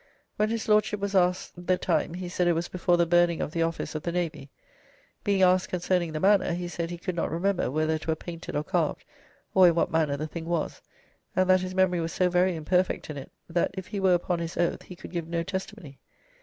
When his Lordship was asked the time, he said it was before the burning of the Office of the Navy. Being asked concerning the manner, he said he could not remember whether it were painted or carved, or in what manner the thing was; and that his memory was so very imperfect in it, that if he were upon his oath he could give no testimony."